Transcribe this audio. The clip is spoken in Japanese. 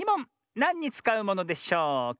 なんにつかうものでしょうか？